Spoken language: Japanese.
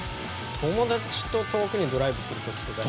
友達と遠くにドライブする時とかに。